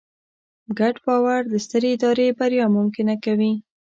ګډ باور د سترې ادارې بریا ممکنه کوي.